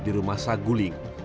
di rumah saguling